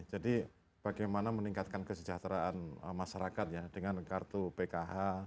jadi bagaimana meningkatkan kesejahteraan masyarakat ya dengan kartu pkh